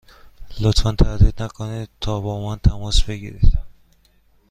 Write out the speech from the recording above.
لطفا تردید نکنید تا با من تماس بگیرید.